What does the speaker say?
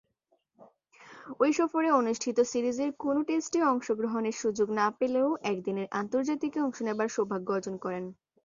ঐ সফরে অনুষ্ঠিত সিরিজের কোন টেস্টে অংশগ্রহণের সুযোগ না পেলেও একদিনের আন্তর্জাতিকে অংশ নেবার সৌভাগ্য অর্জন করেন।